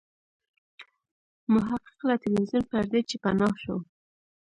محقق له ټلویزیون پردې چې پناه شو.